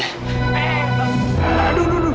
aduh aduh aduh